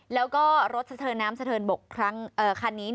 แล้วก็รถสะเทินน้ำสะเทินบกครั้งนี้